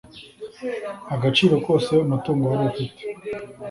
agaciro kose umutungo wari ufite